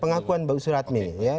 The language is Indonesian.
pengakuan bu suratmi ya